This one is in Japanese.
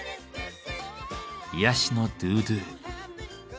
癒やしのドゥドゥ。